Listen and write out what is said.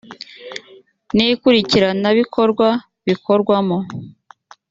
n ikurikirana bikorwa bikorwamo